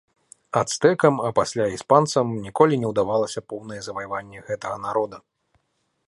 Ацтэкам, а пасля і іспанцам, ніколі не ўдавалася поўнае заваяванне гэтага народа.